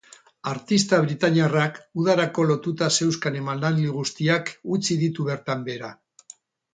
Artista britainiarrak udarako lotuta zeuzkan emanaldi guztiak utzi ditu bertan behera.